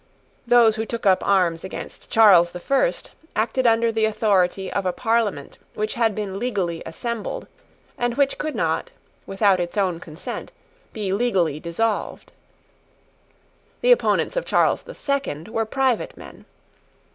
Those who took up arms against Charles the First acted under the authority of a Parliament which had been legally assembled, and which could not, without its own consent, be legally dissolved. The opponents of Charles the Second were private men.